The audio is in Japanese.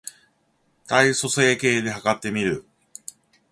体組成計で計ってみる